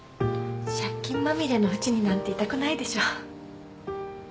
借金まみれのうちになんていたくないでしょ。